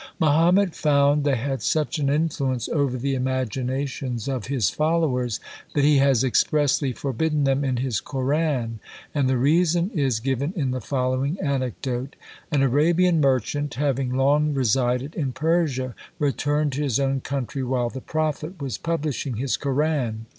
Mahomet found they had such an influence over the imaginations of his followers, that he has expressly forbidden them in his Koran; and the reason is given in the following anecdote: An Arabian merchant having long resided in Persia, returned to his own country while the prophet was publishing his Koran.